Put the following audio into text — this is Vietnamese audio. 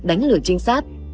đánh lừa trinh sát